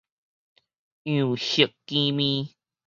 羊肉羹麵